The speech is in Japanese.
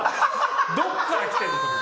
どっから来てんの？